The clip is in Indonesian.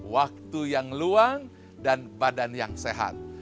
waktu yang luang dan badan yang sehat